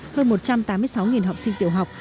hơn một trăm tám mươi sáu học sinh tiểu học